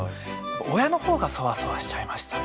親のほうがそわそわしちゃいましたね。